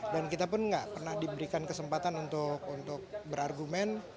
dan kita pun nggak pernah diberikan kesempatan untuk berargumen